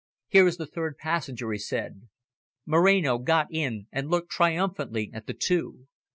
"Here is the third passenger," he said. Moreno got in and looked triumphantly at the two.